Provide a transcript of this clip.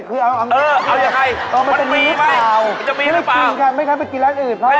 เออเอาอย่างไรมันมีหรือเปล่ามันจะมีหรือเปล่า